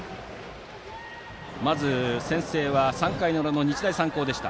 まず、先制は３回裏の日大三高でした。